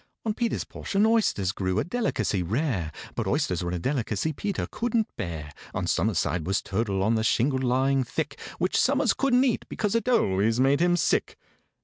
On PETER'S portion oysters grew—a delicacy rare, But oysters were a delicacy PETER couldn't bear. On SOMERS' side was turtle, on the shingle lying thick, Which SOMERS couldn't eat, because it always made him sick.